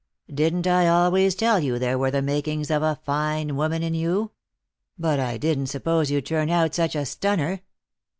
Didn't I always tell you there were the makings of a fine woman in you ? But I didn't suppose you'd turn out such a stunner.